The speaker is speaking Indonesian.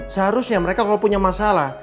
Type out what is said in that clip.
seharusnya mereka kalau punya masalah